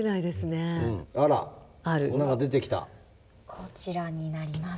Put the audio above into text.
こちらになります。